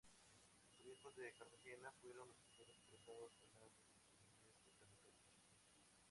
Los Obispos de Cartagena fueron los primeros interesados en la evangelización de estos territorios.